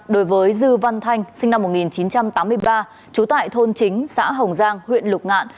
đối với dư văn thanh sinh năm một nghìn chín trăm tám mươi ba trú tại thôn chính xã hồng giang huyện lục ngạn